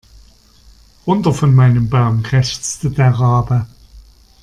Runter von meinem Baum, krächzte der Rabe.